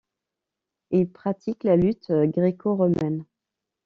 Il pratique la lutte gréco-romaine.